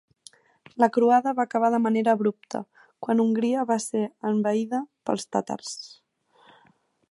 La croada va acabar de manera abrupta quan Hongria va ser envaïda pels tàtars.